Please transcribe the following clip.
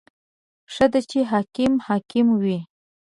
• ښه ده چې حاکم حاکم وي.